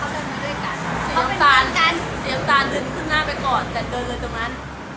เสียงตาเดินขึ้นหน้าไปก่อนแต่เดินเลยตรงนั้น